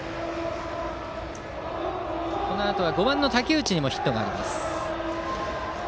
このあと５番の武内にもヒットがあります。